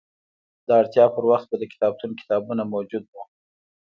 د اړتیا په وخت به د کتابتون کتابونه موجود وو.